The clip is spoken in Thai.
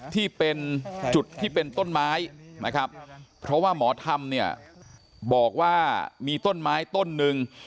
ที่เป็นต้นไม้นะครับเพราะว่าหมอทำบอกว่ามีต้นไม้ต้นหนึ่ง